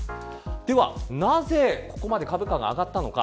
ではなぜここまで株価が上がったのか。